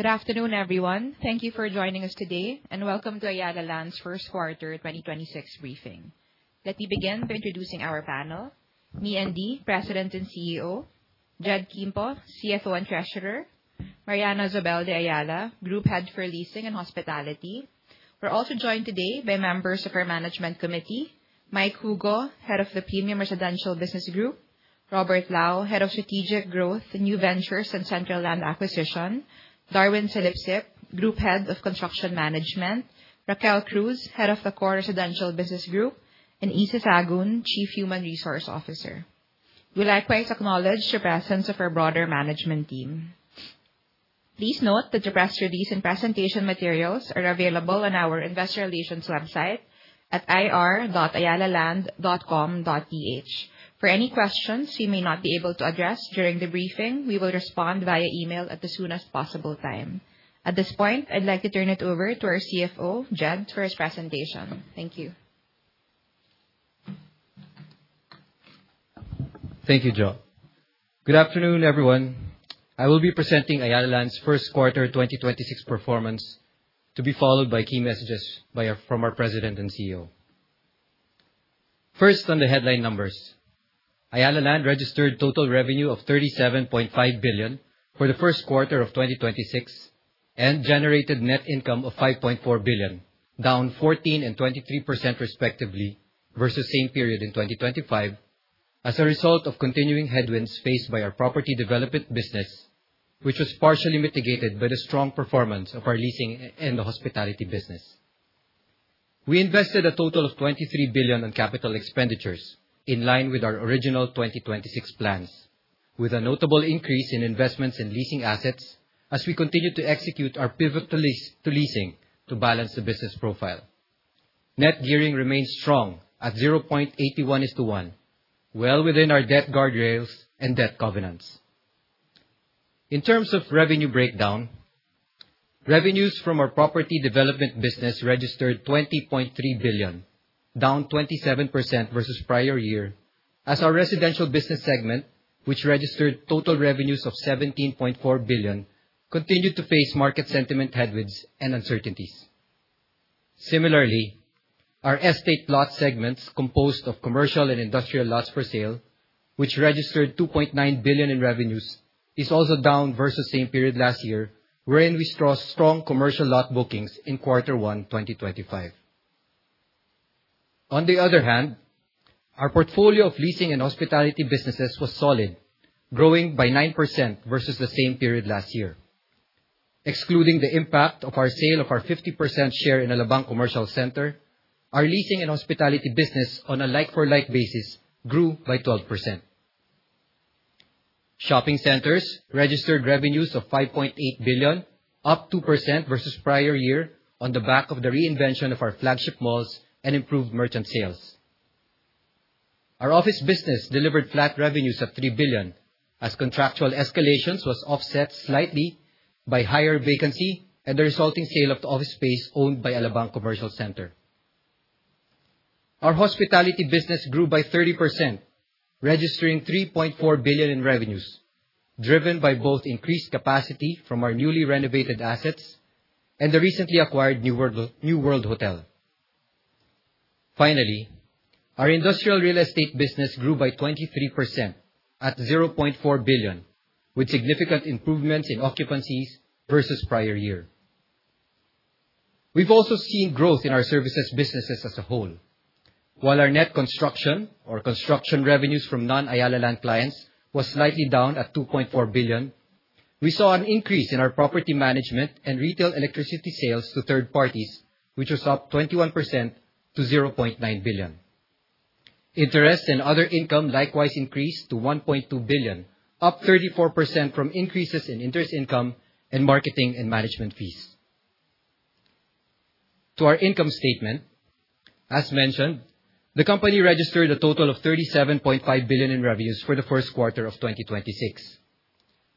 Good afternoon, everyone. Thank you for joining us today and welcome to Ayala Land's first quarter 2026 briefing. Let me begin by introducing our panel. Andie, President and CEO. Jed Kimpo, CFO and Treasurer. Mariana Zobel de Ayala, Group Head for Leasing and Hospitality. We're also joined today by members of our management committee, Mike Hugo, Head of the Premium Residential Business Group, Robert Lau, Head of Strategic Growth, New Ventures and Central Land Acquisition, Darwin Salipsip, Group Head of Construction Management, Raquel Cruz, Head of the Core Residential Business Group, and Issa Sagun, Chief Human Resources Officer. We'll likewise acknowledge the presence of our broader management team. Please note that the press release and presentation materials are available on our investor relations website at ir.ayalaland.com.ph. For any questions we may not be able to address during the briefing, we will respond via email at the soonest possible time. At this point, I'd like to turn it over to our CFO, Jed, for his presentation. Thank you. Thank you, Jo. Good afternoon, everyone. I will be presenting Ayala Land's first quarter 2026 performance to be followed by key messages from our President and CEO. First, on the headline numbers. Ayala Land registered total revenue of 37.5 billion for the first quarter of 2026 and generated net income of 5.4 billion, down 14% and 23% respectively versus same period in 2025 as a result of continuing headwinds faced by our property development business, which was partially mitigated by the strong performance of our leasing and the hospitality business. We invested a total of 23 billion in CapEx in line with our original 2026 plans, with a notable increase in investments in leasing assets as we continue to execute our pivot to leasing to balance the business profile. Net gearing remains strong at 0.81:1, well within our debt guardrails and debt covenants. In terms of revenue breakdown, revenues from our property development business registered 20.3 billion, down 27% versus prior year as our residential business segment, which registered total revenues of PHP 17.4 billion, continued to face market sentiment headwinds and uncertainties. Similarly, our estate plot segments composed of commercial and industrial lots for sale, which registered 2.9 billion in revenues, is also down versus same period last year, wherein we saw strong commercial lot bookings in quarter one 2025. On the other hand, our portfolio of leasing and hospitality businesses was solid, growing by 9% versus the same period last year. Excluding the impact of our sale of our 50% share in Alabang Commercial Center, our leasing and hospitality business on a like-for-like basis grew by 12%. Shopping centers registered revenues of 5.8 billion, up 2% versus prior year on the back of the reinvention of our flagship malls and improved merchant sales. Our office business delivered flat revenues of 3 billion as contractual escalations was offset slightly by higher vacancy and the resulting sale of office space owned by Alabang Commercial Center. Our hospitality business grew by 30%, registering 3.4 billion in revenues, driven by both increased capacity from our newly renovated assets and the recently acquired New World Hotel. Finally, our industrial real estate business grew by 23% at 0.4 billion, with significant improvements in occupancies versus prior year. We've also seen growth in our services businesses as a whole. While our net construction or construction revenues from non-Ayala Land clients was slightly down at 2.4 billion, we saw an increase in our property management and retail electricity sales to third parties, which was up 21% to 0.9 billion. Interest and other income likewise increased to 1.2 billion, up 34% from increases in interest income and marketing and management fees. To our income statement. As mentioned, the company registered a total of 37.5 billion in revenues for the first quarter of 2026.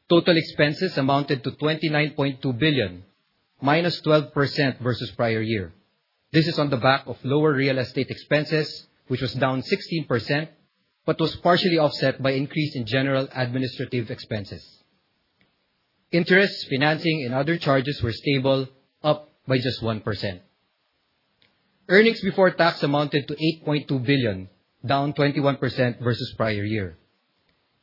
Total expenses amounted to 29.2 billion, -12% versus prior year. This is on the back of lower real estate expenses, which was down 16%, but was partially offset by increase in general administrative expenses. Interest, financing, and other charges were stable, up by just 1%. Earnings before tax amounted to 8.2 billion, down 21% versus prior year.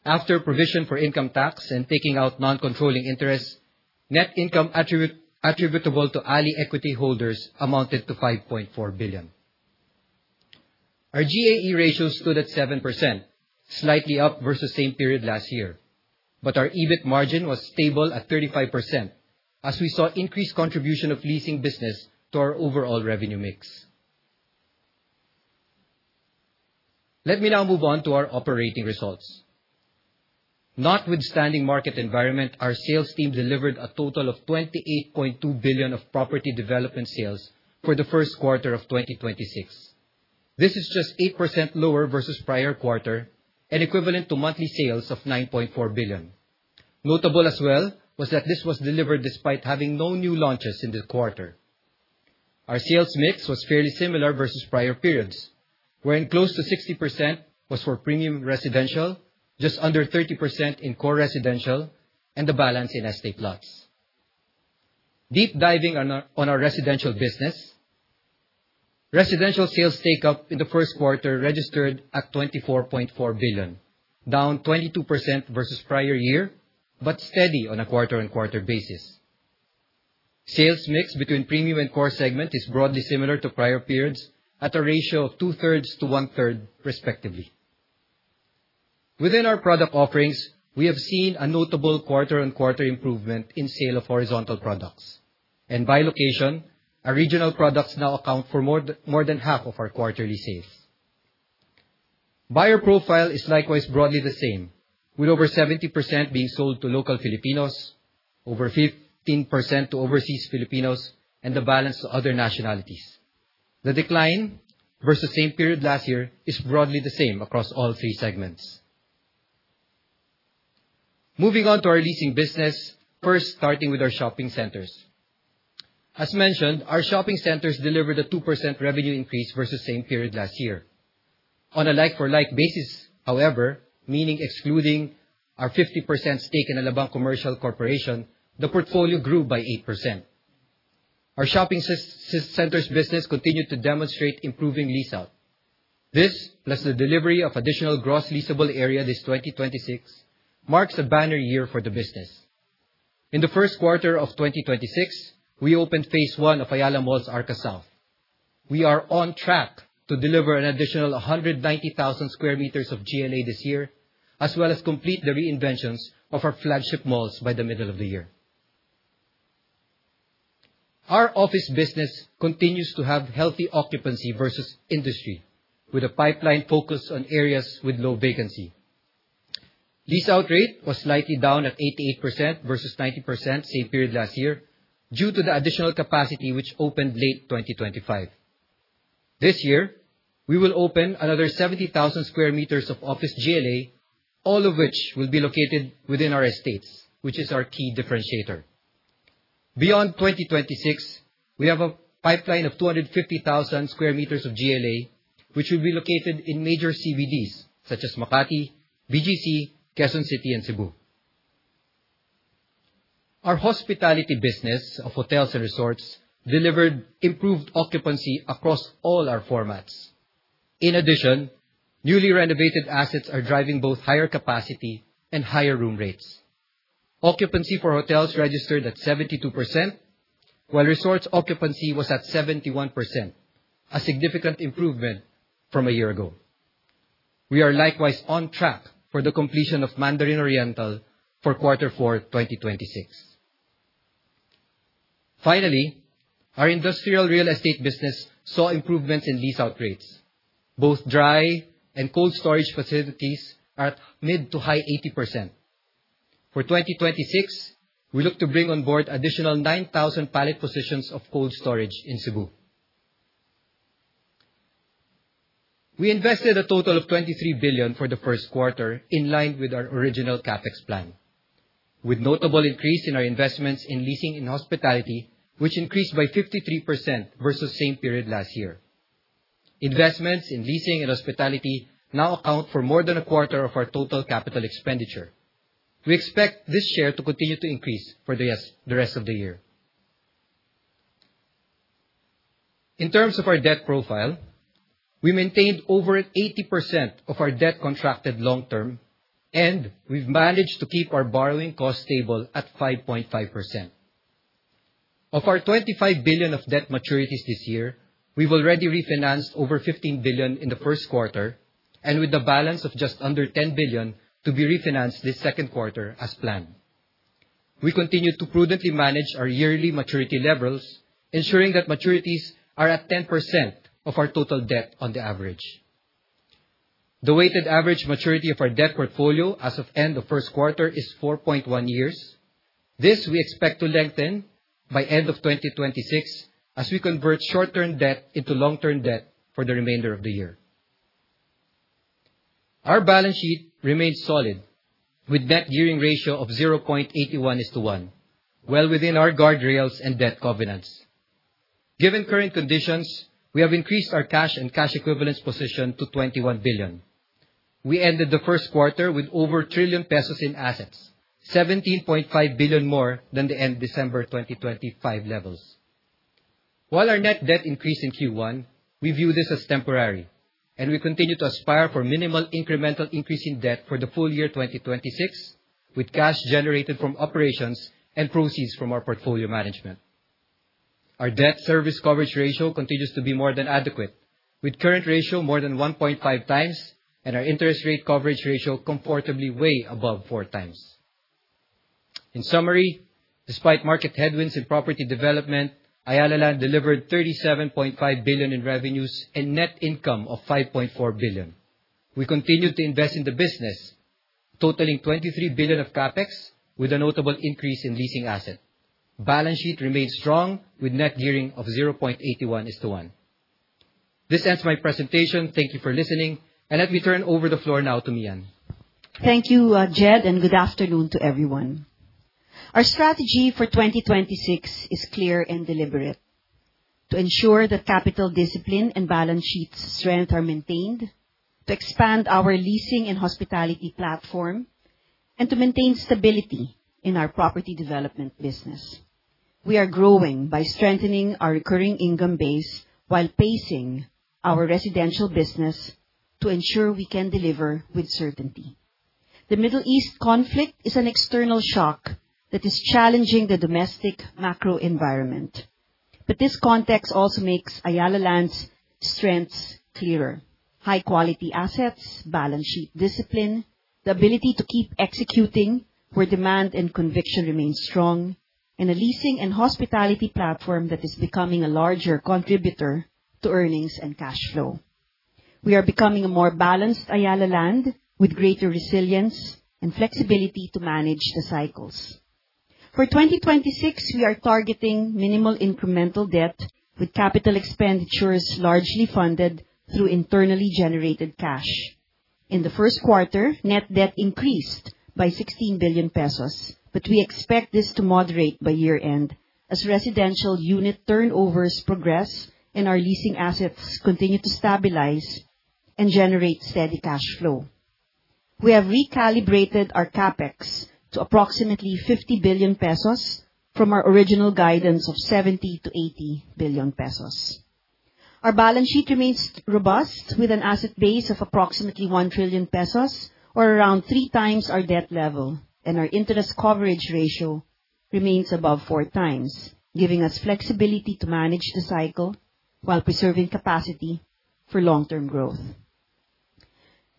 After provision for income tax and taking out non-controlling interest, net income attributable to ALI equity holders amounted to 5.4 billion. Our GAE ratio stood at 7%, slightly up versus same period last year, but our EBIT margin was stable at 35% as we saw increased contribution of leasing business to our overall revenue mix. Let me now move on to our operating results. Notwithstanding market environment, our sales team delivered a total of 28.2 billion of property development sales for the first quarter of 2026. This is just 8% lower versus prior quarter and equivalent to monthly sales of 9.4 billion. Notable as well was that this was delivered despite having no new launches in the quarter. Our sales mix was fairly similar versus prior periods, wherein close to 60% was for premium residential, just under 30% in core residential, and the balance in estate plots. Deep diving on our residential business, residential sales takeup in the first quarter registered at 24.4 billion, down 22% versus prior year, but steady on a quarter-on-quarter basis. Sales mix between premium and core segment is broadly similar to prior periods at a ratio of two-thirds to one-third, respectively. Within our product offerings, we have seen a notable quarter-on-quarter improvement in sale of horizontal products. And by location, our regional products now account for more than half of our quarterly sales. Buyer profile is likewise broadly the same, with over 70% being sold to local Filipinos, over 15% to overseas Filipinos, and the balance to other nationalities. The decline versus same period last year is broadly the same across all three segments. Moving on to our leasing business, first starting with our shopping centers. As mentioned, our shopping centers delivered a 2% revenue increase versus same period last year. On a like-for-like basis however, meaning excluding our 50% stake in Alabang Commercial Corporation, the portfolio grew by 8%. Our shopping centers business continued to demonstrate improving lease out. This, plus the delivery of additional gross leasable area this 2026, marks a banner year for the business. In the first quarter of 2026, we opened phase 1 of Ayala Malls Arca South. We are on track to deliver an additional 190,000 sq m of GLA this year, as well as complete the reinventions of our flagship malls by the middle of the year. Our office business continues to have healthy occupancy versus industry, with a pipeline focused on areas with low vacancy. Lease out rate was slightly down at 88% versus 90% same period last year due to the additional capacity which opened late 2025. This year, we will open another 70,000 sq m of office GLA, all of which will be located within our estates, which is our key differentiator. Beyond 2026, we have a pipeline of 250,000 sq m of GLA, which will be located in major CBDs such as Makati, BGC, Quezon City, and Cebu. Our hospitality business of hotels and resorts delivered improved occupancy across all our formats. In addition, newly renovated assets are driving both higher capacity and higher room rates. Occupancy for hotels registered at 72%, while resorts occupancy was at 71%, a significant improvement from a year ago. We are likewise on track for the completion of Mandarin Oriental for quarter four 2026. Finally, our industrial real estate business saw improvements in lease out rates. Both dry and cold storage facilities are at mid to high 80%. For 2026, we look to bring on board additional 9,000 pallet positions of cold storage in Cebu. We invested a total of PHP 23 billion for the first quarter, in line with our original CapEx plan, with notable increase in our investments in leasing and hospitality, which increased by 53% versus same period last year. Investments in leasing and hospitality now account for more than a quarter of our total capital expenditure. We expect this share to continue to increase for the rest of the year. In terms of our debt profile, we maintained over 80% of our debt contracted long term, and we've managed to keep our borrowing cost stable at 5.5%. Of our 25 billion of debt maturities this year, we've already refinanced over 15 billion in the first quarter, and with the balance of just under 10 billion to be refinanced this second quarter as planned. We continue to prudently manage our yearly maturity levels, ensuring that maturities are at 10% of our total debt on the average. The weighted average maturity of our debt portfolio as of end of first quarter is 4.1 years. This we expect to lengthen by end of 2026 as we convert short-term debt into long-term debt for the remainder of the year. Our balance sheet remains solid, with net gearing ratio of 0.81:1, well within our guardrails and debt covenants. Given current conditions, we have increased our cash and cash equivalents position to 21 billion. We ended the first quarter with over 1 trillion pesos in assets, 17.5 billion more than the end December 2025 levels. While our net debt increased in Q1, we view this as temporary, and we continue to aspire for minimal incremental increase in debt for the full year 2026, with cash generated from operations and proceeds from our portfolio management. Our debt service coverage ratio continues to be more than adequate, with current ratio more than 1.5 times, and our interest rate coverage ratio comfortably way above four times. In summary, despite market headwinds in property development, Ayala Land delivered 37.5 billion in revenues and net income of 5.4 billion. We continued to invest in the business, totaling 23 billion of CapEx with a notable increase in leasing asset. Balance sheet remains strong with net gearing of 0.81:1. This ends my presentation. Thank you for listening, and let me turn over the floor now to Mian. Thank you, Jed, and good afternoon to everyone. Our strategy for 2026 is clear and deliberate: to ensure that capital discipline and balance sheet strength are maintained, to expand our leasing and hospitality platform, and to maintain stability in our property development business. We are growing by strengthening our recurring income base while pacing our residential business to ensure we can deliver with certainty. The Middle East conflict is an external shock that is challenging the domestic macro environment. This context also makes Ayala Land's strengths clearer. High-quality assets, balance sheet discipline, the ability to keep executing where demand and conviction remains strong, and a leasing and hospitality platform that is becoming a larger contributor to earnings and cash flow. We are becoming a more balanced Ayala Land with greater resilience and flexibility to manage the cycles. For 2026, we are targeting minimal incremental debt, with capital expenditures largely funded through internally generated cash. In the first quarter, net debt increased by 16 billion pesos, but we expect this to moderate by year-end as residential unit turnovers progress and our leasing assets continue to stabilize and generate steady cash flow. We have recalibrated our CapEx to approximately 50 billion pesos from our original guidance of 70 billion to 80 billion pesos. Our balance sheet remains robust with an asset base of approximately 1 trillion pesos or around three times our debt level and our interest coverage ratio remains above four times, giving us flexibility to manage the cycle while preserving capacity for long-term growth.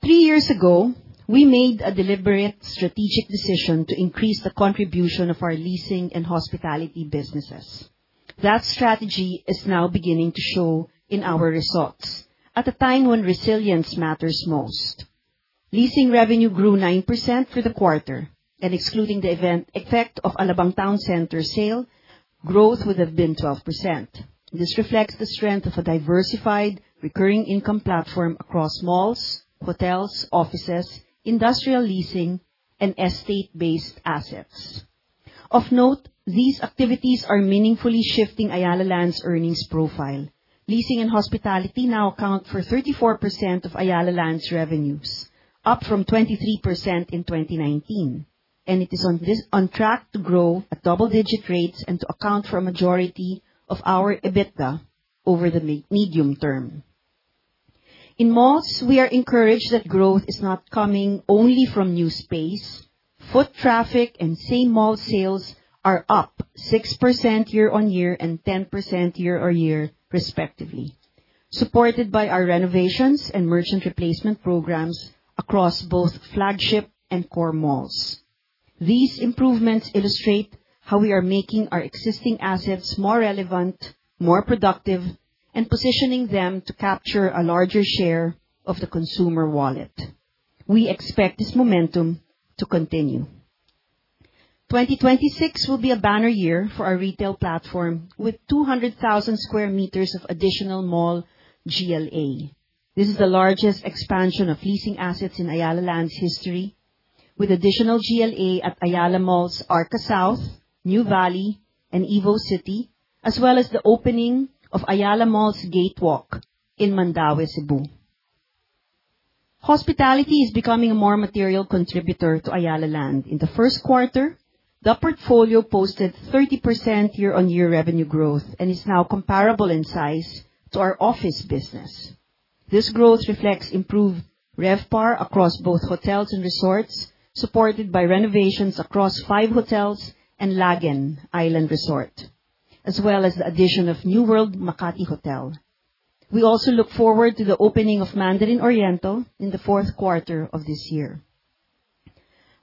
Three years ago, we made a deliberate strategic decision to increase the contribution of our leasing and hospitality businesses. That strategy is now beginning to show in our results at a time when resilience matters most. Leasing revenue grew 9% for the quarter and excluding the effect of Alabang Town Center sale, growth would have been 12%. This reflects the strength of a diversified recurring income platform across malls, hotels, offices, industrial leasing and estate-based assets. Of note, these activities are meaningfully shifting Ayala Land's earnings profile. Leasing and hospitality now account for 34% of Ayala Land's revenues, up from 23% in 2019, and it is on track to grow at double-digit rates and to account for a majority of our EBITDA over the medium term. In malls, we are encouraged that growth is not coming only from new space. Foot traffic and same mall sales are up 6% year-on-year and 10% year-over-year respectively, supported by our renovations and merchant replacement programs across both flagship and core malls. These improvements illustrate how we are making our existing assets more relevant, more productive, and positioning them to capture a larger share of the consumer wallet. We expect this momentum to continue. 2026 will be a banner year for our retail platform with 200,000 sq m of additional mall GLA. This is the largest expansion of leasing assets in Ayala Land's history, with additional GLA at Ayala Malls Arca South, Nuvali and Evo City, as well as the opening of Ayala Malls Gatewalk in Mandaue, Cebu. Hospitality is becoming a more material contributor to Ayala Land. In the first quarter, the portfolio posted 30% year-on-year revenue growth and is now comparable in size to our office business. This growth reflects improved RevPAR across both hotels and resorts, supported by renovations across five hotels and Lagen Island Resort, as well as the addition of New World Makati Hotel. We also look forward to the opening of Mandarin Oriental in the fourth quarter of this year.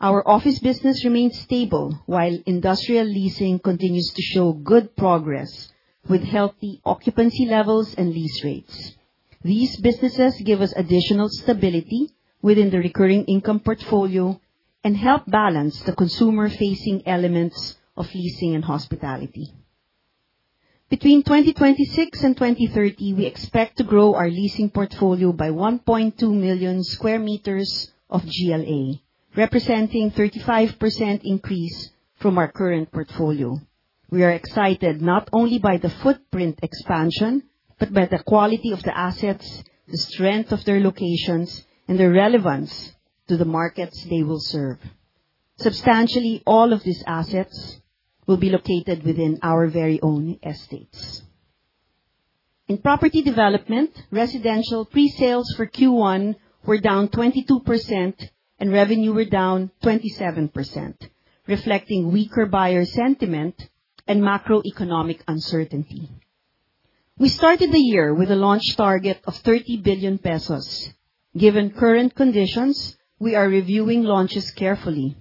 Our office business remains stable while industrial leasing continues to show good progress with healthy occupancy levels and lease rates. These businesses give us additional stability within the recurring income portfolio and help balance the consumer-facing elements of leasing and hospitality. Between 2026 and 2030, we expect to grow our leasing portfolio by 1.2 million sq m of GLA, representing 35% increase from our current portfolio. We are excited not only by the footprint expansion, but by the quality of the assets, the strength of their locations, and their relevance to the markets they will serve. Substantially, all of these assets will be located within our very own estates. In property development, residential pre-sales for Q1 were down 22% and revenue were down 27%, reflecting weaker buyer sentiment and macroeconomic uncertainty. We started the year with a launch target of 30 billion pesos. Given current conditions, we are reviewing launches carefully.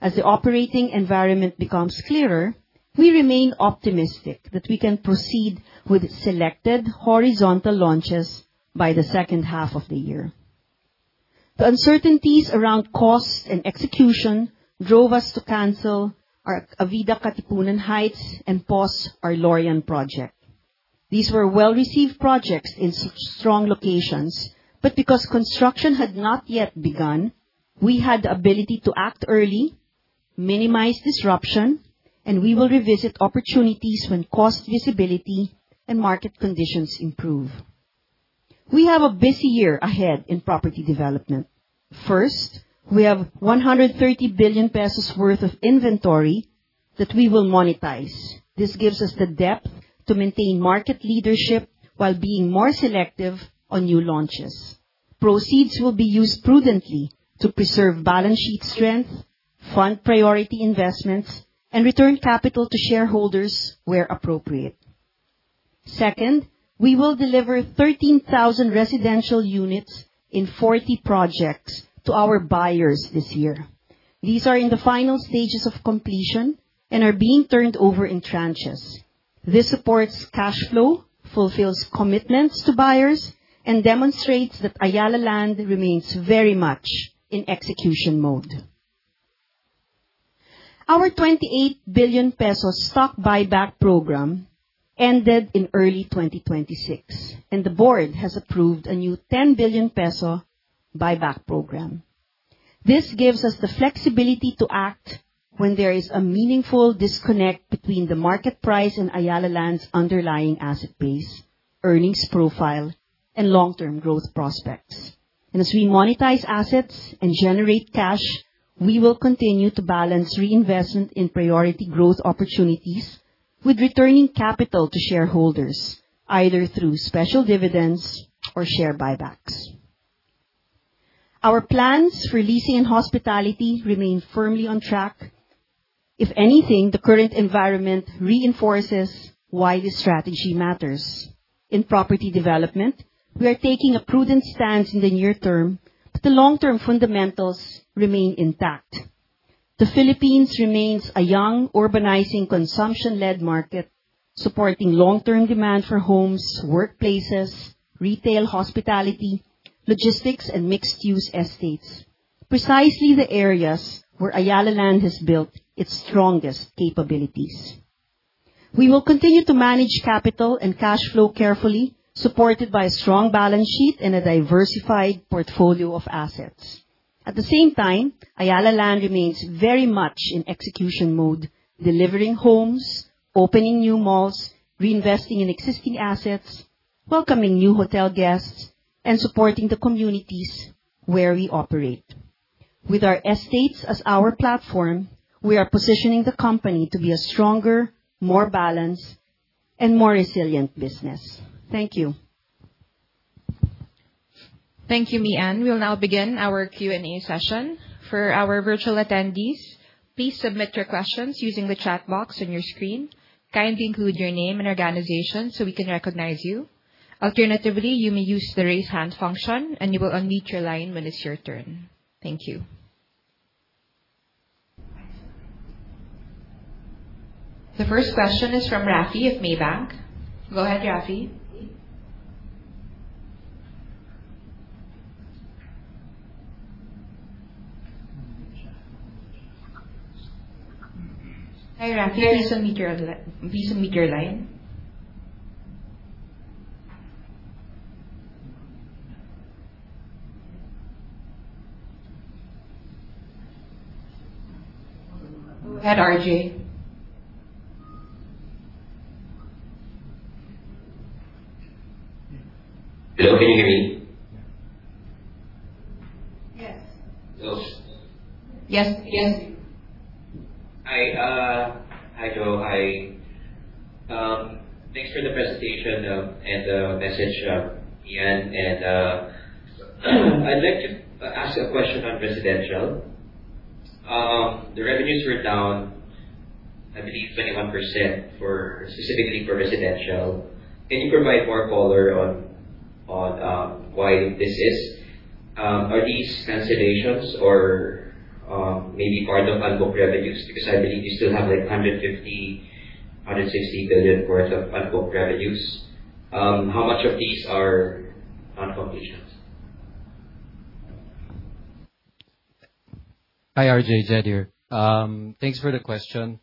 As the operating environment becomes clearer, we remain optimistic that we can proceed with selected horizontal launches by the second half of the year. The uncertainties around cost and execution drove us to cancel our The Heights Katipunan and pause our Laurean project. These were well-received projects in strong locations, but because construction had not yet begun, we had the ability to act early, minimize disruption, and we will revisit opportunities when cost visibility and market conditions improve. We have a busy year ahead in property development. First, we have 130 billion pesos worth of inventory that we will monetize. This gives us the depth to maintain market leadership while being more selective on new launches. Proceeds will be used prudently to preserve balance sheet strength, fund priority investments, and return capital to shareholders where appropriate. Second, we will deliver 13,000 residential units in 40 projects to our buyers this year. These are in the final stages of completion and are being turned over in tranches. This supports cash flow, fulfills commitments to buyers, and demonstrates that Ayala Land remains very much in execution mode. Our 28 billion peso stock buyback program ended in early 2026, and the board has approved a new 10 billion peso buyback program. This gives us the flexibility to act when there is a meaningful disconnect between the market price and Ayala Land's underlying asset base, earnings profile, and long-term growth prospects. As we monetize assets and generate cash, we will continue to balance reinvestment in priority growth opportunities with returning capital to shareholders, either through special dividends or share buybacks. Our plans for leasing and hospitality remain firmly on track. If anything, the current environment reinforces why this strategy matters. In property development, we are taking a prudent stance in the near term, but the long-term fundamentals remain intact. The Philippines remains a young, urbanizing, consumption-led market, supporting long-term demand for homes, workplaces, retail hospitality, logistics, and mixed-use estates. Precisely the areas where Ayala Land has built its strongest capabilities. We will continue to manage capital and cash flow carefully, supported by a strong balance sheet and a diversified portfolio of assets. At the same time, Ayala Land remains very much in execution mode, delivering homes, opening new malls, reinvesting in existing assets, welcoming new hotel guests, and supporting the communities where we operate. With our estates as our platform, we are positioning the company to be a stronger, more balanced, and more resilient business. Thank you. Thank you, Mi En. We'll now begin our Q&A session. For our virtual attendees, please submit your questions using the chat box on your screen. Kindly include your name and organization so we can recognize you. Alternatively, you may use the raise hand function, and you will unmute your line when it's your turn. Thank you. The first question is from Raffy of Maybank. Go ahead, Raffy. Hi, Raffy. Please unmute your line. Go ahead, RJ. Hello, can you hear me? Yes. Hello? Yes. Yes. Hi. Hi, Jo. Hi. Thanks for the presentation and the message, Ian. I'd like to ask a question on residential. The revenues were down, I believe 21% specifically for residential. Can you provide more color on why this is? Are these cancellations or maybe part of unbooked revenues? Because I believe you still have like 150 billion-160 billion worth of unbooked revenues. How much of these are unconfirmations? Hi, RJ. Jed here. Thanks for the question.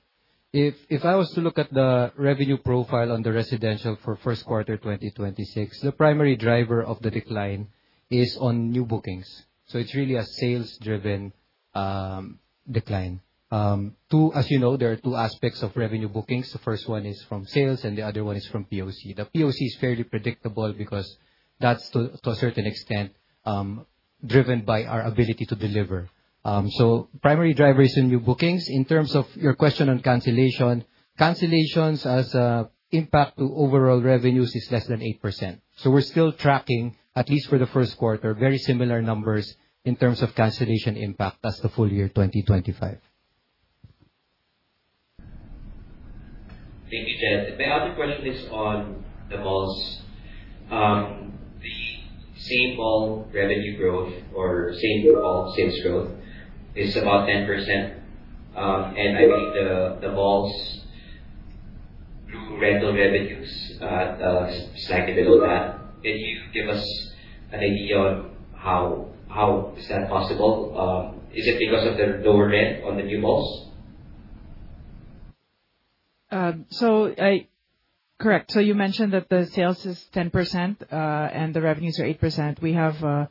If I was to look at the revenue profile on the residential for first quarter 2026, the primary driver of the decline is on new bookings. It's really a sales-driven decline. As you know, there are two aspects of revenue bookings. The first one is from sales, and the other one is from POC. The POC is fairly predictable because that's to a certain extent driven by our ability to deliver. The primary driver is in new bookings. In terms of your question on cancellation, cancellations as an impact to overall revenues is less than 8%. We're still tracking, at least for the first quarter, very similar numbers in terms of cancellation impact as the full year 2025. Thank you, Jed. My other question is on the malls. The same mall revenue growth or same mall sales growth is about 10%, and I believe the malls Rental revenues slightly below that. Can you give us an idea on how is that possible? Is it because of the lower rent on the new malls? Correct. You mentioned that the sales is 10% and the revenues are 8%. We have a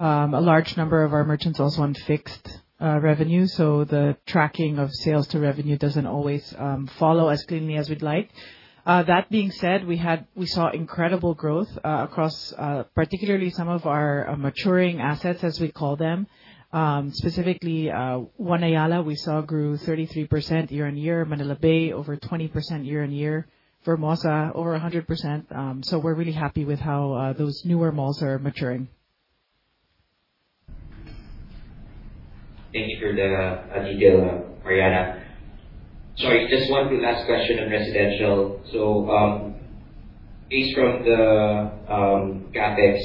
large number of our merchants also on fixed revenue, the tracking of sales to revenue doesn't always follow as cleanly as we'd like. That being said, we saw incredible growth across particularly some of our maturing assets, as we call them. Specifically One Ayala, we saw grew 33% year-on-year. Manila Bay, over 20% year-on-year. Vermosa, over 100%. We're really happy with how those newer malls are maturing. Thank you for the detail, Mariana. Sorry, just one last question on residential. Based from the CapEx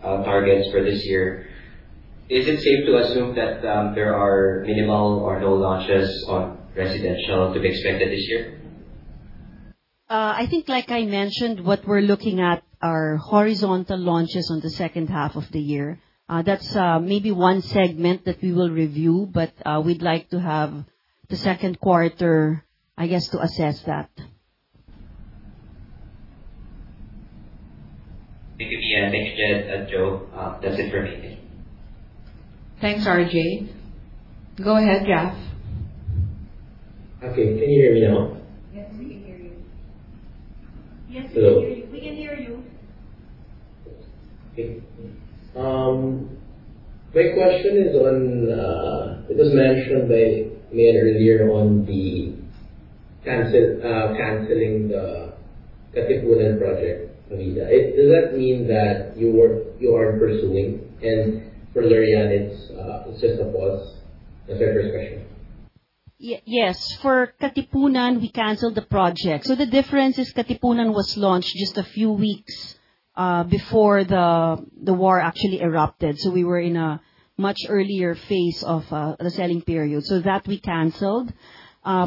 targets for this year, is it safe to assume that there are minimal or no launches on residential to be expected this year? I think, like I mentioned, what we're looking at are horizontal launches on the second half of the year. That's maybe one segment that we will review. We'd like to have the second quarter, I guess, to assess that. Thank you, Pia. Thank you, Jed, Jo. That's it for me. Thanks, RJ. Go ahead, Raffy. Okay. Can you hear me now? Yes, we can hear you. Hello. Yes, we can hear you. Okay. My question is. It was mentioned by Pia earlier on the canceling the Katipunan project, Salida. Does that mean that you aren't pursuing? And for Laurean, it's just a pause? That's my first question. Yes. For Katipunan, we canceled the project. The difference is Katipunan was launched just a few weeks before the war actually erupted. We were in a much earlier phase of the selling period. That, we canceled.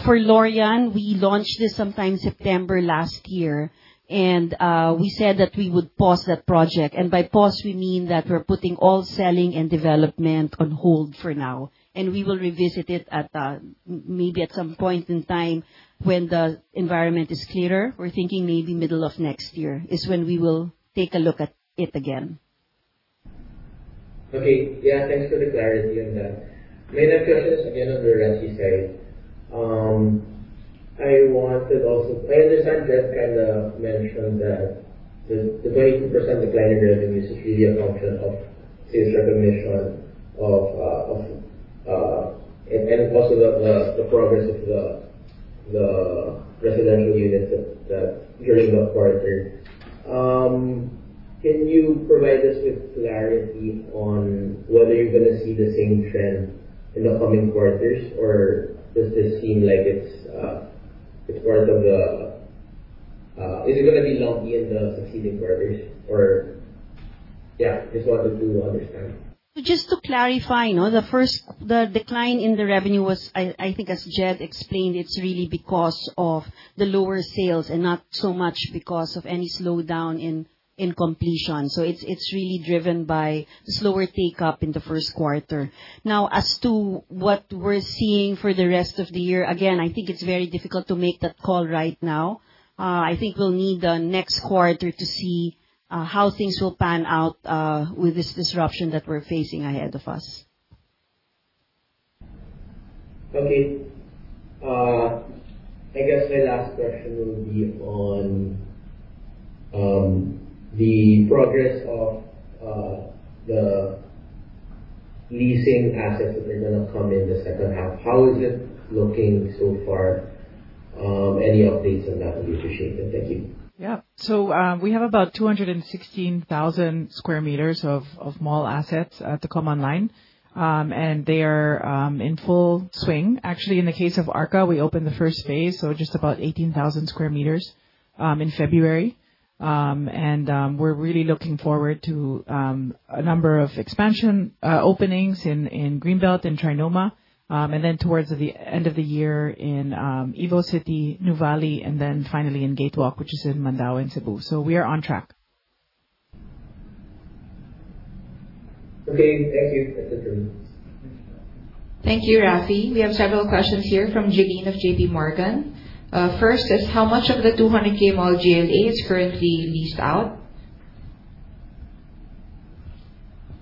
For Laurean, we launched it sometime September last year. We said that we would pause that project. And by pause, we mean that we're putting all selling and development on hold for now, and we will revisit it maybe at some point in time when the environment is clearer. We're thinking maybe middle of next year is when we will take a look at it again. Okay. Thanks for the clarity on that. My next question is again on the resi side. I understand Jed kind of mentioned that the 22% decline in revenue is really a function of sales recognition and also the progress of the residential units during the quarter. Can you provide us with clarity on whether you're going to see the same trend in the coming quarters, or does this seem like it's going to be lumpy in the succeeding quarters? Just wanted to understand. Just to clarify, the decline in the revenue was, I think as Jed explained, it's really because of the lower sales and not so much because of any slowdown in completion. It's really driven by slower take-up in the first quarter. As to what we're seeing for the rest of the year, again, I think it's very difficult to make that call right now. I think we'll need the next quarter to see how things will pan out with this disruption that we're facing ahead of us. Okay. I guess my last question will be on the progress of the leasing assets that are going to come in the second half. How is it looking so far? Any updates on that would be appreciated. Thank you. We have about 216,000 square meters of mall assets to come online, and they are in full swing. Actually, in the case of Arca, we opened the first phase, just about 18,000 square meters in February. We're really looking forward to a number of expansion openings in Greenbelt and Trinoma. Towards the end of the year in Evo City, Nuvali, and finally in Gatewalk, which is in Mandaue, in Cebu. We are on track. Okay. Thank you. That's it for me. Thank you, Raffy. We have several questions here from Janine of J.P. Morgan. First is, how much of the 200,000 mall GLA is currently leased out?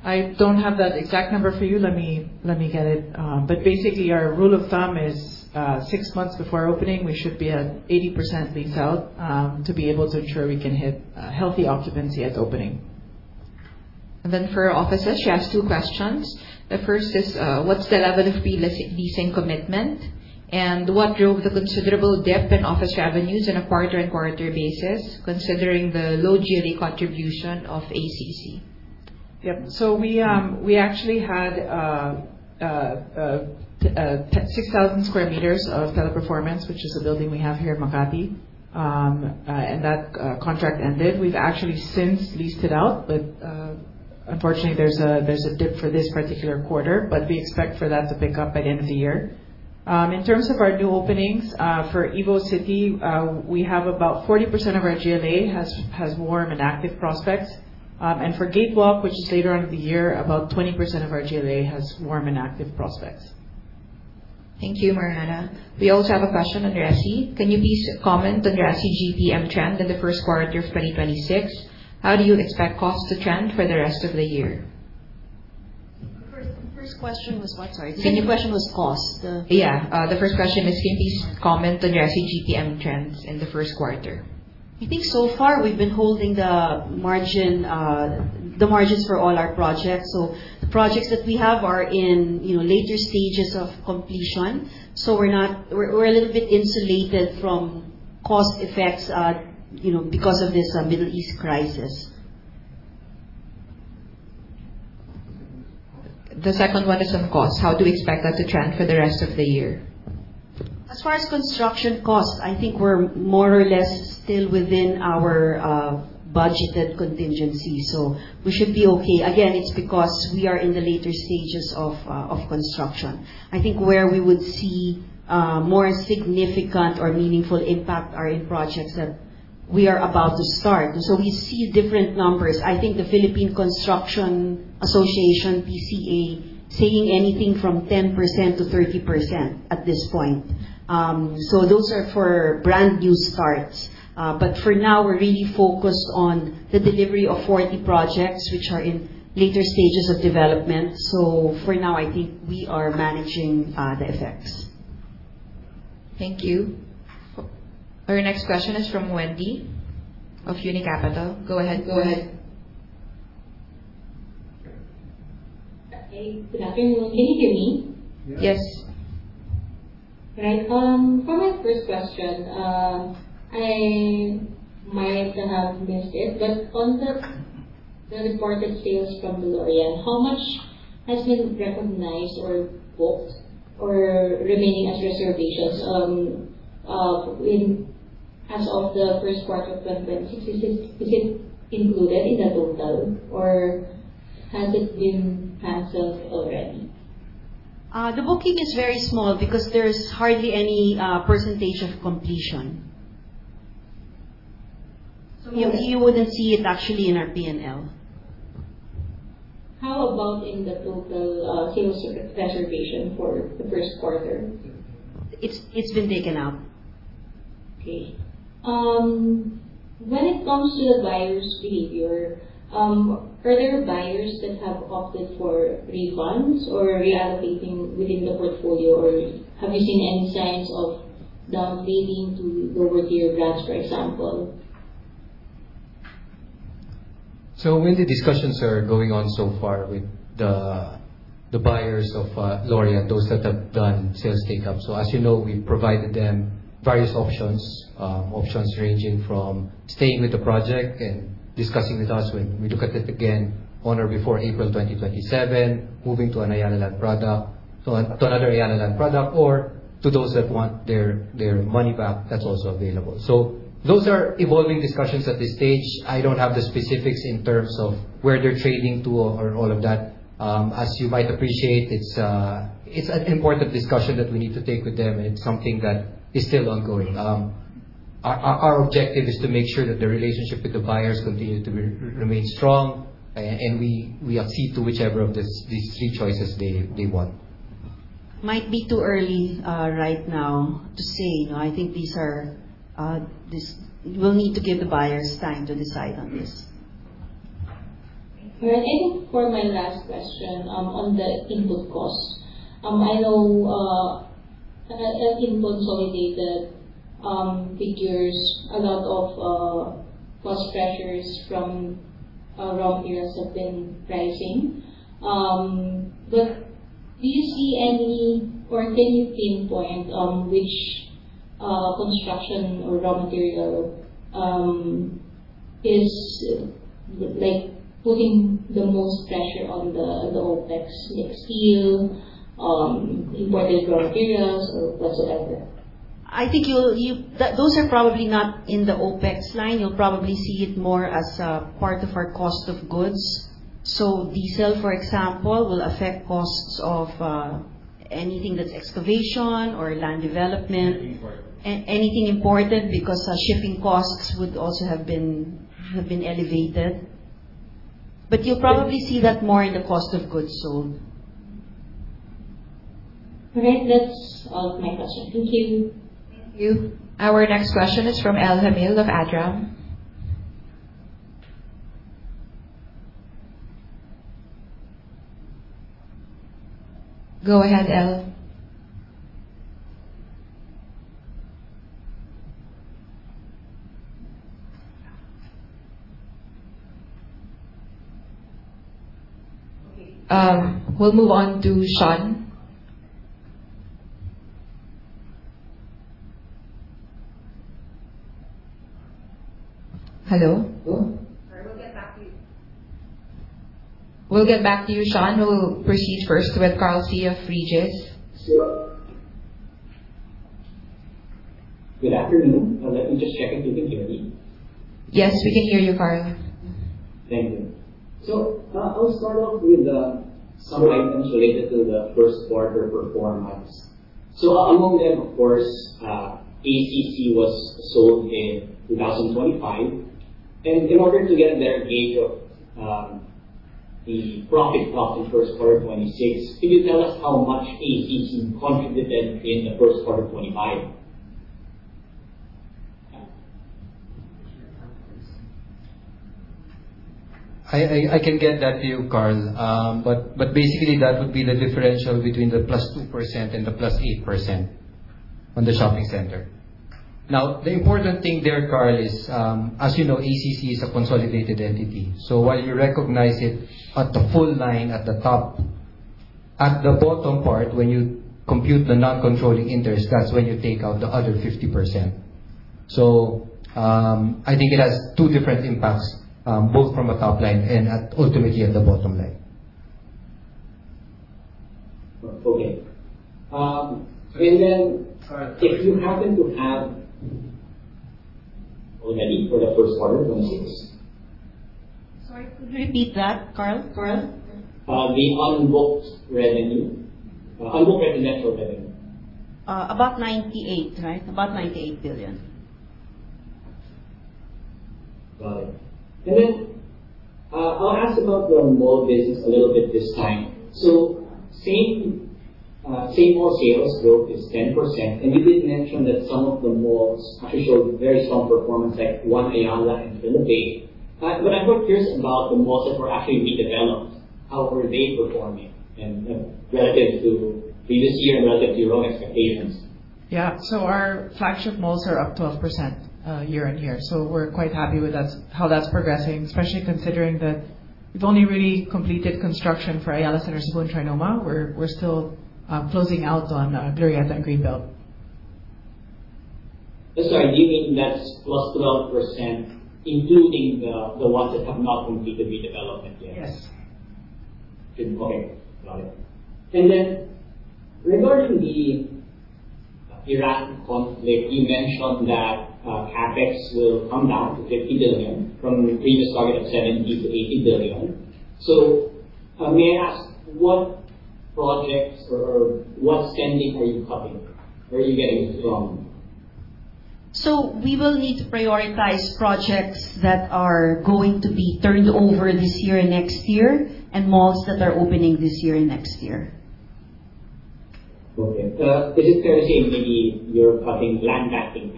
I don't have that exact number for you. Let me get it. Basically, our rule of thumb is 6 months before opening, we should be at 80% leased out to be able to ensure we can hit healthy occupancy at opening. For offices, she asks two questions. The first is, what's the level of pre-leasing commitment? What drove the considerable dip in office revenues on a quarter-on-quarter basis, considering the low GLA contribution of ACC? Yep. We actually had 6,000 sq m of Teleperformance, which is a building we have here in Makati, and that contract ended. We've actually since leased it out, but Unfortunately, there's a dip for this particular quarter, but we expect for that to pick up by the end of the year. In terms of our new openings for Evo City, we have about 40% of our GLA has warm and active prospects. For Gatewalk, which is later on in the year, about 20% of our GLA has warm and active prospects. Thank you, Mariana. We also have a question on resi. Can you please comment on resi GPM trend in the first quarter of 2026? How do you expect costs to trend for the rest of the year? The first question was what? Sorry. The second question was cost. Yeah. The first question is can you please comment on Resi GPM trends in the first quarter? I think so far we've been holding the margins for all our projects. The projects that we have are in later stages of completion. We're a little bit insulated from cost effects because of this Middle East crisis. The second one is on cost. How do you expect that to trend for the rest of the year? As far as construction costs, I think we're more or less still within our budgeted contingency, we should be okay. Again, it's because we are in the later stages of construction. I think where we would see more significant or meaningful impact are in projects that we are about to start. We see different numbers. I think the Philippine Constructors Association, PCA, saying anything from 10%-30% at this point. Those are for brand new starts. For now, we're really focused on the delivery of 40 projects, which are in later stages of development. For now, I think we are managing the effects. Thank you. Our next question is from Wendy of Unicapital. Go ahead. Good afternoon. Can you hear me? Yes. Right. For my first question, I might have missed it, but on the reported sales from Laurean, how much has been recognized or booked or remaining as reservations as of the first quarter of 2026? Is it included in the total, or has it been passed off already? The booking is very small because there's hardly any percentage of completion. You wouldn't see it actually in our P&L. How about in the total sales reservation for the first quarter? It's been taken out. When it comes to the buyers' behavior, are there buyers that have opted for refunds or reallocating within the portfolio, or have you seen any signs of downgrading to lower-tier brands, for example? Wendy, discussions are going on so far with the buyers of Laurean, those that have done sales take-up. As you know, we provided them various options ranging from staying with the project and discussing with us when we look at it again on or before April 2027, moving to another Ayala Land product, or to those that want their money back, that's also available. Those are evolving discussions at this stage. I don't have the specifics in terms of where they're trading to or all of that. As you might appreciate, it's an important discussion that we need to take with them, and it's something that is still ongoing. Our objective is to make sure that the relationship with the buyers continue to remain strong, and we accede to whichever of these three choices they want. Might be too early right now to say. We'll need to give the buyers time to decide on this. For my last question on the input costs. I know in consolidated figures, a lot of cost pressures from raw materials have been rising. Do you see any, or can you pinpoint which construction or raw material is putting the most pressure on the OPEX? Like steel, imported raw materials, or whatsoever? I think those are probably not in the OPEX line. You'll probably see it more as a part of our cost of goods. Diesel, for example, will affect costs of anything that's excavation or land development. Anything imported because our shipping costs would also have been elevated. You'll probably see that more in the cost of goods sold. All right. That's all of my questions. Thank you. Thank you. Our next question is from El Jamil of ATRAM. Go ahead, El. We'll move on to Sean. Hello? We'll get back to you. We'll get back to you, Sean. We'll proceed first with Carl Sia of Regis. Sure. Good afternoon. Let me just check if you can hear me. Yes, we can hear you, Carl. Thank you. I'll start off with some items related to the first quarter performance. Among them, of course, ACC was sold in 2025. In order to get a better gauge of the profit of the first quarter 2026, can you tell us how much ACC contributed in the first quarter 2025? I can get that to you, Carl. Basically, that would be the differential between the +2% and the +8% on the shopping center. The important thing there, Carl, is as you know, ACC is a consolidated entity. While you recognize it at the full line at the top, at the bottom part, when you compute the non-controlling interest, that's when you take out the other 50%. I think it has two different impacts both from a top line and ultimately at the bottom line. Okay. If you happen to have revenue for the first quarter 2026. Sorry, could you repeat that, Carl? The unbooked revenue. Unbooked and net new revenue. About 98, right? About 98 billion. Got it. I'll ask about the mall business a little bit this time. Same mall sales growth is 10%. You did mention that some of the malls actually showed very strong performance, like One Ayala and Manila Bay. I'm more curious about the malls that were actually redeveloped. How are they performing relative to previous year and relative to your own expectations? Yeah. Our flagship malls are up 12% year-on-year. We're quite happy with how that's progressing, especially considering that we've only really completed construction for Ayala Center Cebu and Trinoma. We're still closing out on Glorietta and Greenbelt. Sorry, do you mean that's plus 12%, including the ones that have not completed redevelopment yet? Yes. Okay, got it. Regarding the Iraq conflict, you mentioned that CapEx will come down to 50 billion from your previous target of 70 billion-80 billion. May I ask what projects or what spending are you cutting? Where are you getting this from? We will need to prioritize projects that are going to be turned over this year and next year and malls that are opening this year and next year. Okay. I'm just trying to say maybe you're cutting land banking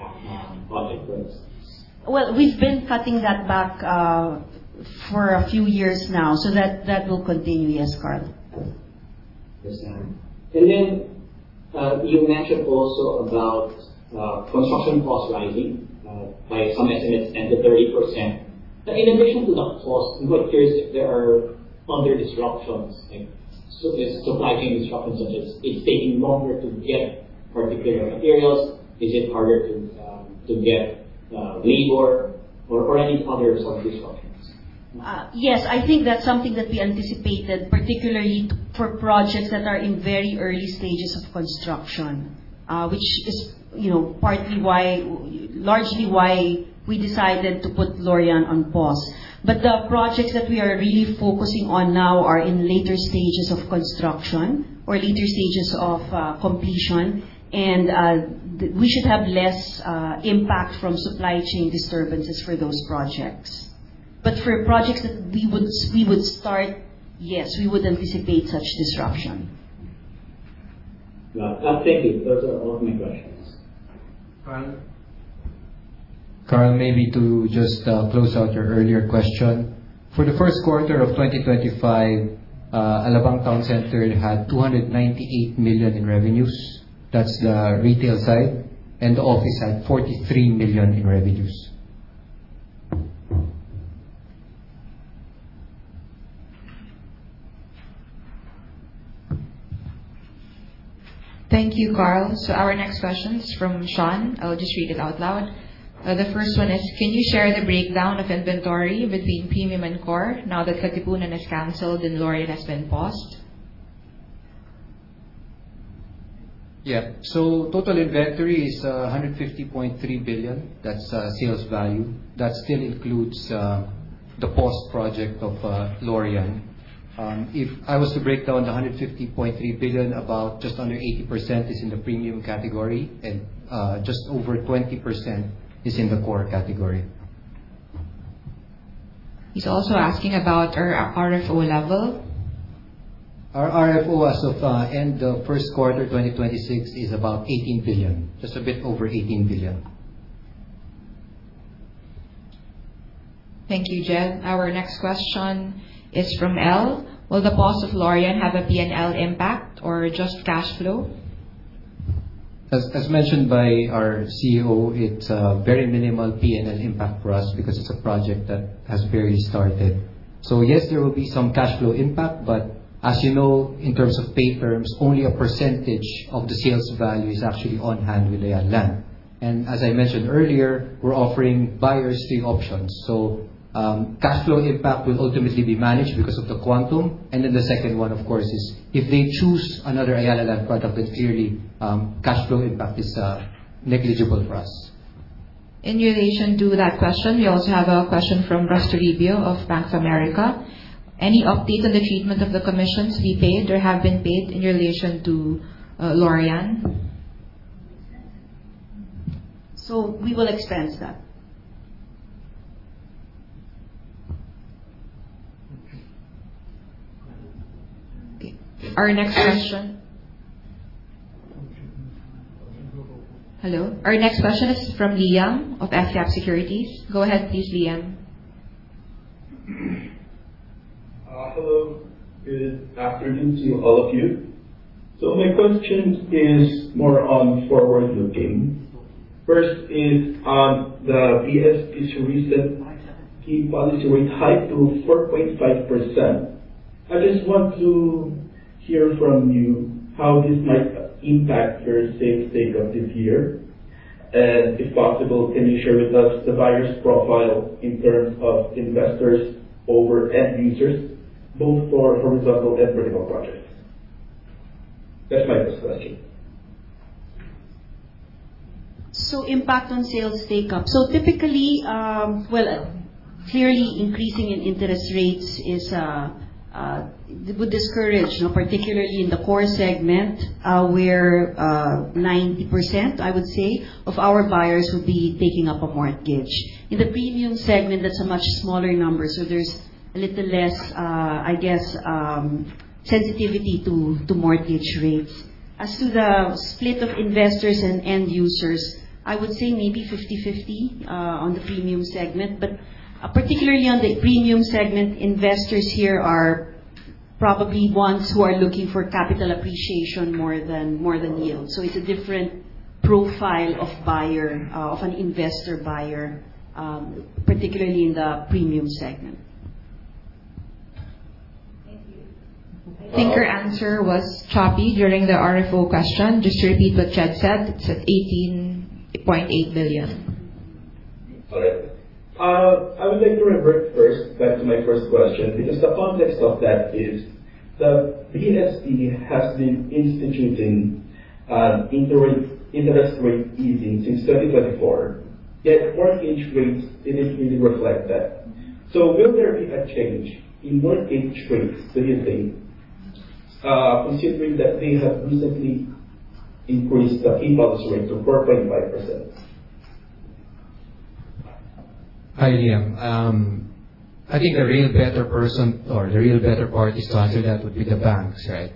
project first. Well, we've been cutting that back for a few years now, so that will continue, yes, Carl. Understand. You mentioned also about construction costs rising by some estimates 10%-30%. In addition to the cost, I'm more curious if there are other disruptions, like supply chain disruptions, such as it's taking longer to get particular materials, is it harder to get labor or any other sort of disruptions? Yes, I think that's something that we anticipated, particularly for projects that are in very early stages of construction which is largely why we decided to put Laurean on pause. The projects that we are really focusing on now are in later stages of construction or later stages of completion. We should have less impact from supply chain disturbances for those projects. For projects that we would start, yes, we would anticipate such disruption. Thank you. Those are all of my questions. Carl? Carl, maybe to just close out your earlier question. For the first quarter of 2025, Alabang Town Center had 298 million in revenues. That's the retail side, and the office had 43 million in revenues. Thank you, Carl. Our next question is from Sean. I'll just read it out loud. The first one is, "Can you share the breakdown of inventory between premium and core now that Katipunan is canceled and Laurean has been paused? Yeah. Total inventory is 150.3 billion. That's sales value. That still includes the paused project of Laurean. If I was to break down the 150.3 billion, about just under 80% is in the premium category and just over 20% is in the core category. He's also asking about our RFO level. Our RFO as of end of first quarter 2026 is about 18 billion. Just a bit over 18 billion. Thank you, Jed. Our next question is from Elle. "Will the pause of Laurean have a P&L impact or just cash flow? As mentioned by our CEO, it's a very minimal P&L impact for us because it's a project that has barely started. Yes, there will be some cash flow impact, but as you know, in terms of pay terms, only a percentage of the sales value is actually on hand with Ayala Land. As I mentioned earlier, we're offering buyers three options. Cash flow impact will ultimately be managed because of the quantum. The second one, of course, is if they choose another Ayala Land product, then clearly cash flow impact is negligible for us. In relation to that question, we also have a question from Russ Toribio of Bank of America. Any update on the treatment of the commissions we paid or have been paid in relation to Laurean? We will expense that. Okay. Our next question. Hello. Our next question is from Liam of Fincap Securities. Go ahead, please, Liam. Hello. Good afternoon to all of you. My question is more on forward-looking. First is on the BSP's recent key policy rate hike to 4.5%. I just want to hear from you how this might impact your sales take-up this year. If possible, can you share with us the buyer's profile in terms of investors over end users, both for horizontal and vertical projects? That's my first question. Impact on sales take-up. Typically, well, clearly increasing in interest rates would discourage, particularly in the core segment, where 90%, I would say, of our buyers would be taking up a mortgage. In the premium segment, that's a much smaller number, there's a little less, I guess, sensitivity to mortgage rates. As to the split of investors and end users, I would say maybe 50/50 on the premium segment. Particularly on the premium segment, investors here are probably ones who are looking for capital appreciation more than yield. It's a different profile of an investor buyer, particularly in the premium segment. Thank you. I think your answer was choppy during the RFO question. Just to repeat what Jed said, it's at 18.8 billion. I would like to revert first back to my first question, because the context of that is the BSP has been instituting interest rate easing since 2024, yet mortgage rates didn't really reflect that. Will there be a change in mortgage rates, do you think, considering that they have recently increased the key policy rate to 4.5%? Hi, Liam. I think the real better person or the real better party to answer that would be the banks, right?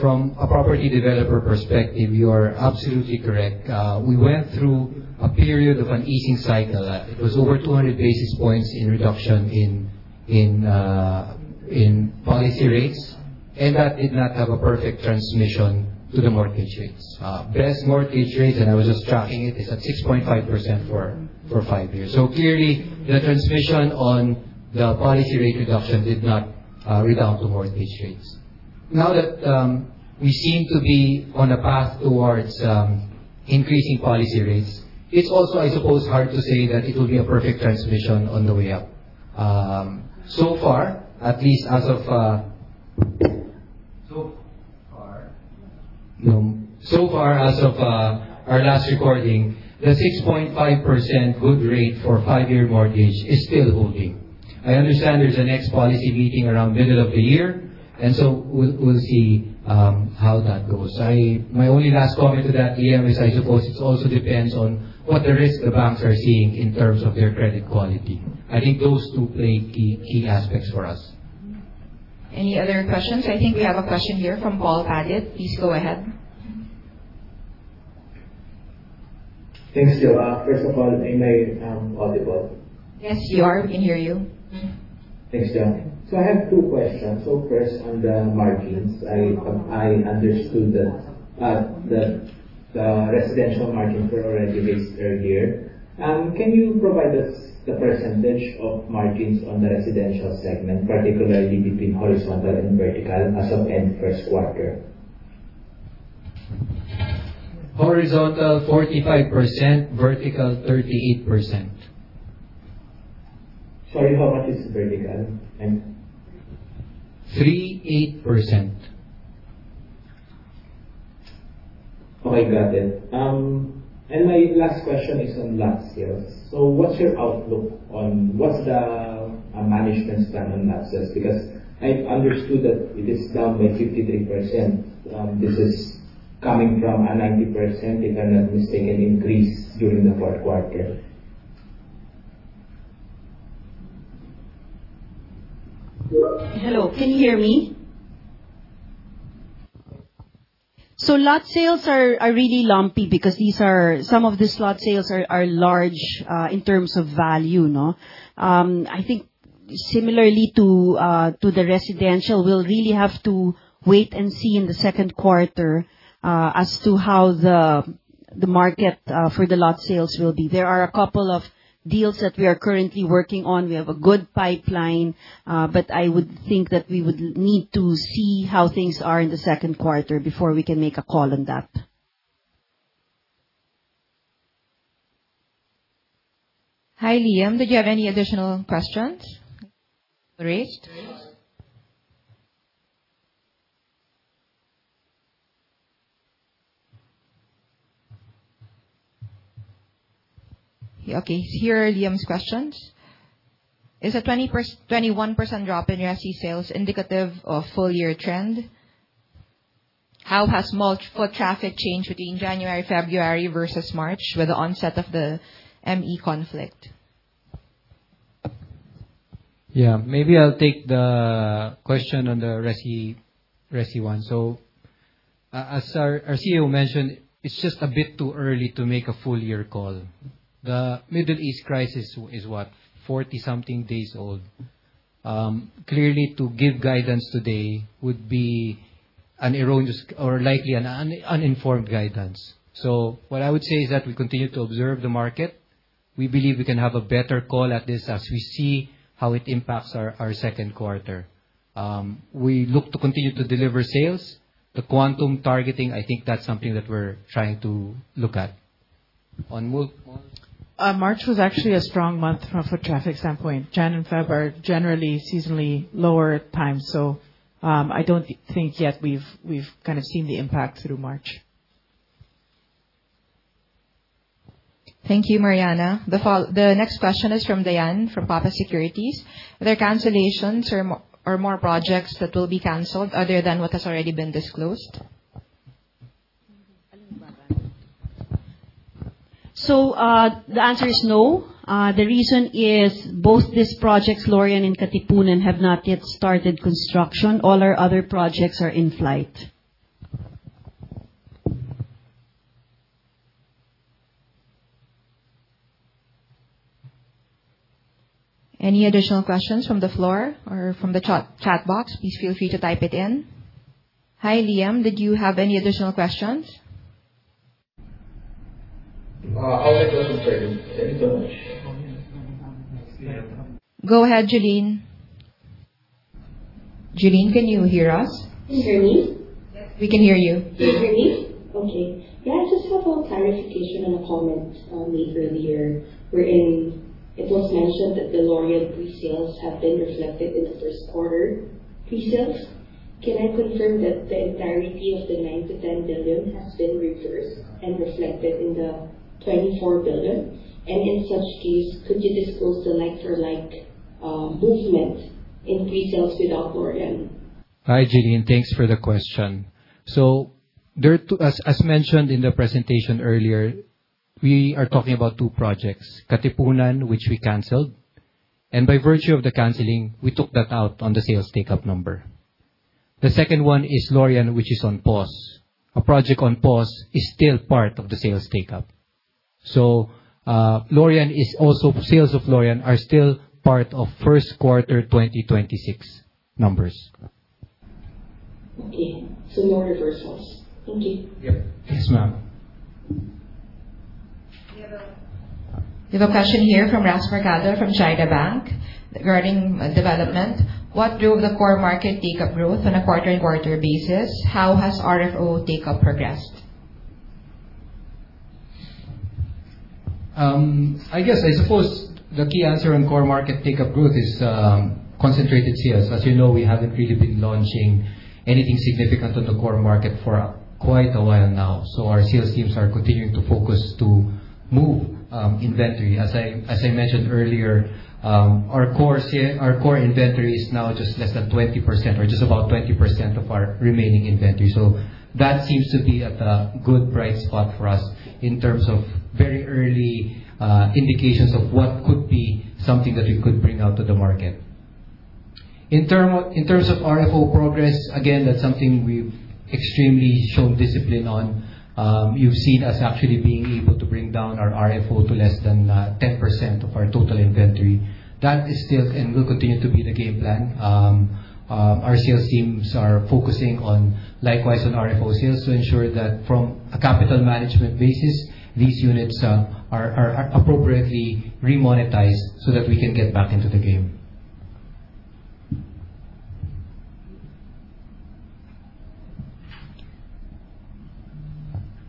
From a property developer perspective, you are absolutely correct. We went through a period of an easing cycle. It was over 200 basis points in reduction in policy rates, and that did not have a perfect transmission to the mortgage rates. Best mortgage rates, and I was just tracking it, is at 6.5% for five years. Clearly, the transmission on the policy rate reduction did not redound to mortgage rates. Now that we seem to be on a path towards increasing policy rates, it's also, I suppose, hard to say that it will be a perfect transmission on the way up. So far, at least as of our last recording, the 6.5% good rate for five-year mortgage is still holding. I understand there's a next policy meeting around middle of the year, we'll see how that goes. My only last comment to that, Liam, is I suppose it also depends on what the risk the banks are seeing in terms of their credit quality. I think those two play key aspects for us. Any other questions? I think we have a question here from Paul Padit. Please go ahead. Thanks, Jo. First of all, am I audible? Yes, you are. We can hear you. Thanks, Jo. I have two questions. First, on the margins, I understood that the residential margins were already raised earlier. Can you provide us the % of margins on the residential segment, particularly between horizontal and vertical as of end first quarter? Horizontal, 45%, vertical, 38%. Sorry, how much is vertical? 38%. Okay, got it. My last question is on lot sales. What's your outlook on What's the management plan on lot sales? Because I understood that it is down by 53%. This is coming from a 90%, if I'm not mistaken, increase during the fourth quarter. Hello, can you hear me? Lot sales are really lumpy because some of these lot sales are large in terms of value. I think similarly to the residential, we'll really have to wait and see in the second quarter as to how the market for the lot sales will be. There are a couple of deals that we are currently working on. We have a good pipeline, I would think that we would need to see how things are in the second quarter before we can make a call on that. Hi, Liam, did you have any additional questions? Great. Okay. Here are Liam's questions. Is a 21% drop in your SE sales indicative of full year trend? How has mall foot traffic changed between January, February versus March with the onset of the ME conflict? Maybe I'll take the question on the resi one. As our CEO mentioned, it's just a bit too early to make a full year call. The Middle East crisis is what? 40 something days old. Clearly, to give guidance today would be an erroneous or likely an uninformed guidance. What I would say is that we continue to observe the market. We believe we can have a better call at this as we see how it impacts our second quarter. We look to continue to deliver sales. The quantum targeting, I think that's something that we're trying to look at. March was actually a strong month from a traffic standpoint. Jan and Feb are generally seasonally lower times. I don't think yet we've kind of seen the impact through March. Thank you, Mariana. The next question is from Dianne, from Papa Securities. Were there cancellations or more projects that will be canceled other than what has already been disclosed? The answer is no. The reason is both these projects, Laurean and Katipunan, have not yet started construction. All our other projects are in flight. Any additional questions from the floor or from the chat box? Please feel free to type it in. Hi, Liam. Did you have any additional questions? I'll take those in writing. Thank you so much. Go ahead, Jeline. Jeline, can you hear us? Can you hear me? We can hear you. Can you hear me? Okay. May I just have a clarification on a comment made earlier, wherein it was mentioned that the Laurean pre-sales have been reflected in the first quarter pre-sales. Can I confirm that the entirety of the 9 billion-10 billion has been reversed and reflected in the 24 billion? In such case, could you disclose the like for like movement in pre-sales without Laurean? Hi, Jeline. Thanks for the question. As mentioned in the presentation earlier, we are talking about two projects, Katipunan, which we canceled, and by virtue of the canceling, we took that out on the sales take-up number. The second one is Laurean, which is on pause. A project on pause is still part of the sales take-up. Sales of Laurean are still part of first quarter 2026 numbers. Okay. No reversals. Thank you. Yep. Yes, ma'am. We have a question here from Ras Mercado from China Bank regarding development. What drove the core market take-up growth on a quarter-on-quarter basis? How has RFO take-up progressed? I guess, I suppose the key answer in core market take-up growth is concentrated sales. As you know, we haven't really been launching anything significant on the core market for quite a while now. Our sales teams are continuing to focus to move inventory. As I mentioned earlier, our core inventory is now just less than 20% or just about 20% of our remaining inventory. That seems to be at the good bright spot for us in terms of very early indications of what could be something that we could bring out to the market. In terms of RFO progress, again, that's something we've extremely shown discipline on. You've seen us actually being able to bring down our RFO to less than 10% of our total inventory. That is still and will continue to be the game plan. Our sales teams are focusing likewise on RFO sales to ensure that from a capital management basis, these units are appropriately remonetized so that we can get back into the game.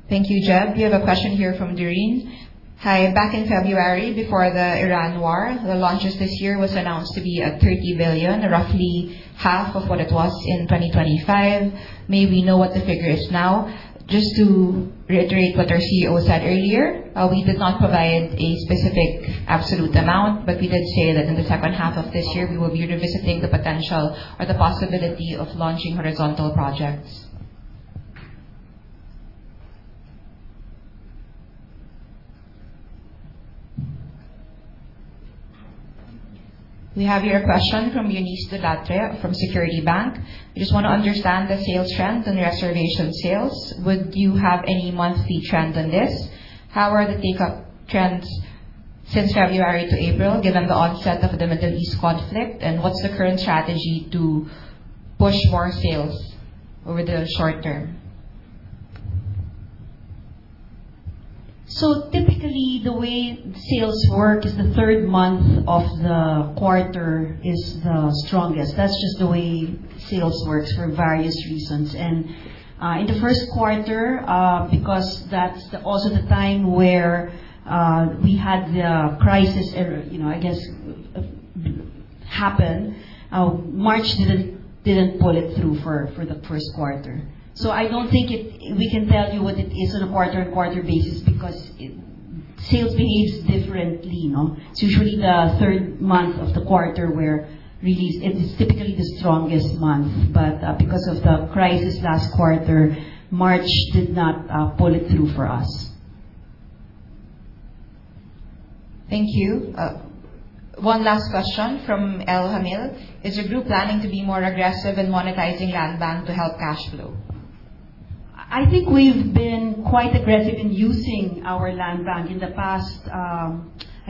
Thank you, Jeb. We have a question here from Doreen. Hi. Back in February, before the Iran war, the launches this year was announced to be at 30 billion, roughly half of what it was in 2025. May we know what the figure is now? Just to reiterate what our CEO said earlier, we did not provide a specific absolute amount. We did say that in the second half of this year, we will be revisiting the potential or the possibility of launching horizontal projects. We have here a question from Eunice Legarde from Security Bank. I just want to understand the sales trends and reservation sales. Would you have any monthly trend on this? How are the take-up trends since February to April, given the onset of the Middle East conflict, what's the current strategy to push more sales over the short term? Typically, the way sales work is the third month of the quarter is the strongest. That's just the way sales works for various reasons. In the first quarter, because that's also the time where we had the crisis, I guess happened. March didn't pull it through for the first quarter. I don't think we can tell you what it is on a quarter-on-quarter basis because sales behaves differently. It's usually the third month of the quarter where sales is typically the strongest month. Because of the crisis last quarter, March did not pull it through for us. Thank you. One last question from Elle Hamil. Is your group planning to be more aggressive in monetizing land bank to help cash flow? I think we've been quite aggressive in using our land bank in the past. I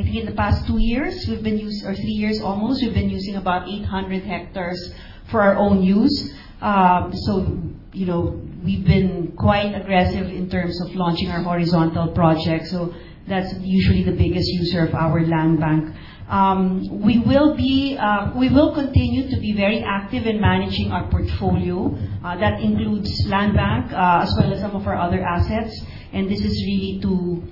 think in the past two years or three years almost, we've been using about 800 hectares for our own use. So we've been quite aggressive in terms of launching our horizontal projects. So that's usually the biggest user of our land bank. We will continue to be very active in managing our portfolio. That includes land bank as well as some of our other assets. This is really to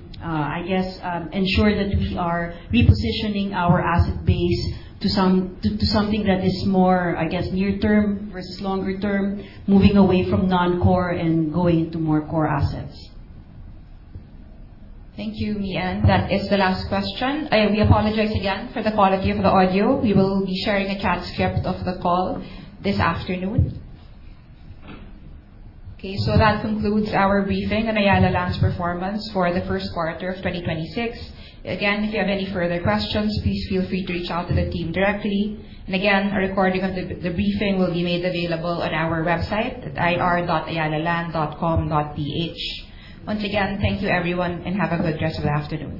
ensure that we are repositioning our asset base to something that is more near-term versus longer term, moving away from non-core and going into more core assets. Thank you, Mian. That is the last question. We apologize again for the quality of the audio. We will be sharing a transcript of the call this afternoon. Okay, so that concludes our briefing on Ayala Land's performance for the first quarter of 2026. Again, if you have any further questions, please feel free to reach out to the team directly. Again, a recording of the briefing will be made available on our website at ir.ayalaland.com.ph. Once again, thank you everyone, and have a good rest of the afternoon.